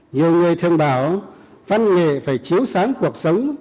nhiều người thường bảo văn nghệ phải chiếu sáng cuộc sống